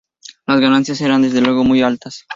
Las ganancias eran desde luego muy altas.